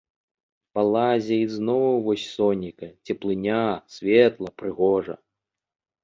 Балазе ізноў вось сонейка, цеплыня, светла, прыгожа.